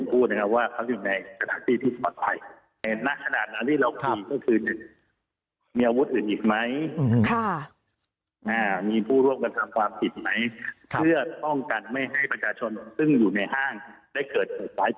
เพื่อป้องกันไม่ให้ประชาชนซึ่งอยู่ในห้างได้เกิดปลอดภัยเท่าเติร์ด